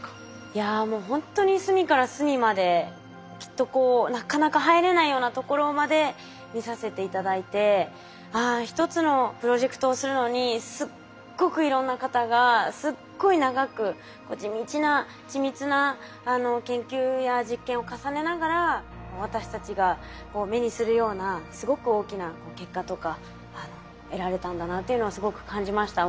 いやもうほんとに隅から隅まできっとなかなか入れないようなところまで見させて頂いてああ一つのプロジェクトをするのにすっごくいろんな方がすっごい長く地道な緻密な研究や実験を重ねながら私たちが目にするようなすごく大きな結果とか得られたんだなっていうのをすごく感じました。